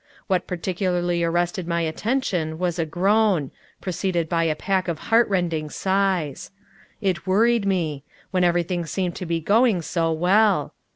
What particularly arrested my attention was a groan preceded by a pack of heartrending sighs. It worried me when everything seemed to be going so well.